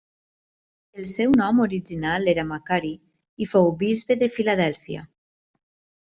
El seu nom original era Macari i fou bisbe de Filadèlfia.